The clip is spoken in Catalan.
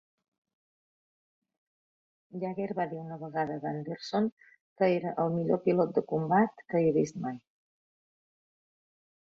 Yeager va dir una vegada d'Anderson que era el Millor pilot de combat que he vist mai.